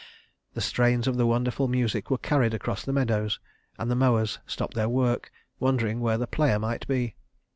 The strains of the wonderful music were carried across the meadows, and the mowers stopped their work, wondering where the player might be.